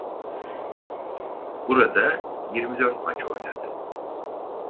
Burada yirmi dört maç oynadı.